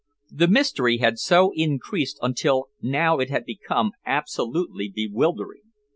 The mystery had so increased until now it had become absolutely bewildering.